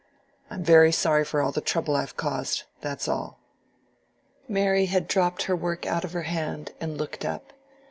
I'm very sorry for all the trouble I've caused—that's all." Mary had dropped her work out of her hand and looked up.